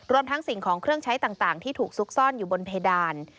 ทั้งสิ่งของเครื่องใช้ต่างที่ถูกซุกซ่อนอยู่บนเพดาน